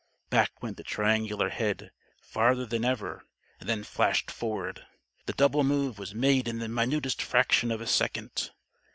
Back went the triangular head, farther than ever; and then flashed forward. The double move was made in the minutest fraction of a second.